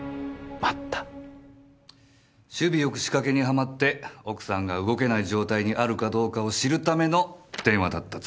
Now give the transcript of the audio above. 首尾よく仕掛けにはまって奥さんが動けない状態にあるかどうかを知るための電話だった。